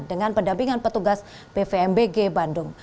dengan pendampingan petugas pvmbg bandung